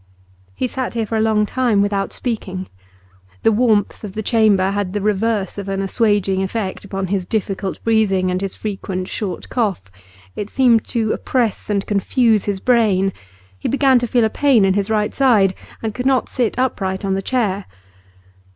He sat here for a long time without speaking. The warmth of the chamber had the reverse of an assuaging effect upon his difficult breathing and his frequent short cough it seemed to oppress and confuse his brain. He began to feel a pain in his right side, and could not sit upright on the chair.